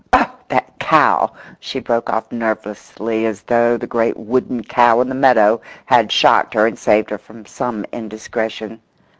"Oh, that cow!" she broke off nervously, as though the great wooden cow in the meadow had shocked her and saved her from some indiscretion.